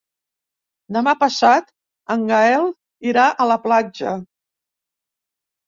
Demà passat en Gaël irà a la platja.